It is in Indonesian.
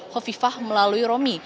kofifah melalui romi